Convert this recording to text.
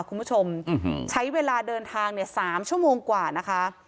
คุณผู้ชมใช้เวลาเดินทางเนี่ย๓ชั่วโมงกว่านะคะ